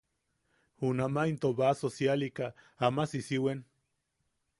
Junama into baso sialika ama sissiwen.